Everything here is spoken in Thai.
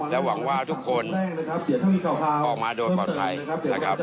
หวังว่าทุกคนออกมาโดยปลอดภัยนะครับ